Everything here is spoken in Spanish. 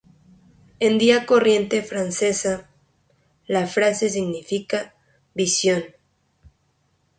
En día corriente francesa, la frase significa "visión".